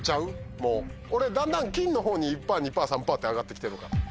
もう俺だんだん金のほうに１％２％３％って上がって来てるから。